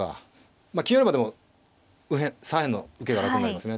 まあ金寄ればでも左辺の受けがなくなりますね。